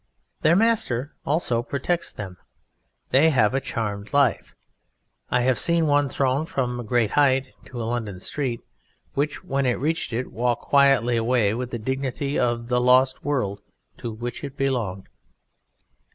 Their Master also protects them. They have a charmed life. I have seen one thrown from a great height into a London street, which when It reached it It walked quietly away with the dignity of the Lost World to which It belonged.